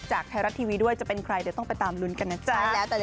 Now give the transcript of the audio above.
จากไทยรัฐทีวีด้วยจะเป็นใครเดี๋ยวต้องไปตามลุ้นกันนะจ๊ะ